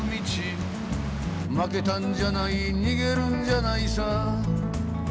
「負けたんじゃない逃げるんじゃないさ」